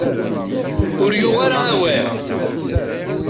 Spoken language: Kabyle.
Ur yuɣ ara awal.